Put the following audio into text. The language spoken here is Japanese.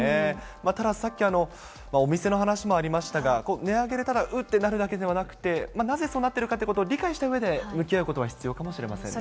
ただ、さっき、お店の話もありましたが、値上げでただうってなるだけではなくて、なぜそうなってるかということを理解したうえで、向き合うことは必要かもしれませんね。